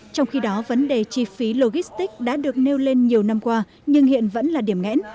trong khi đó vấn đề chi phí logistics đã được nêu lên nhiều năm qua nhưng hiện vẫn là điểm nghẽn